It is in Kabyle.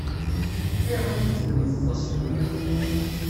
Ayɣer ay la tlemmdeḍ asefru-a?